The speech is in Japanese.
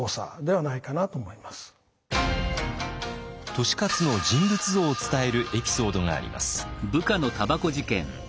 利勝の人物像を伝えるエピソードがあります。